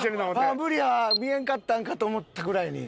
ああ無理や見えんかったんか！と思ったぐらいに。